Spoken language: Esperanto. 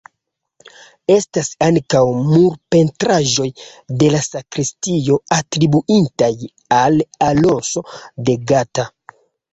Estas ankaŭ murpentraĵoj de la sakristio atribuitaj al Alonso de Gata.